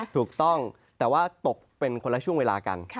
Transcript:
ถูกต้องแต่ว่าตกเป็นคนละช่วงเวลากัน